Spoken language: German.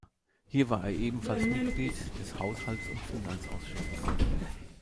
Hier war er ebenfalls Mitglied des Haushalts- und Finanzausschusses.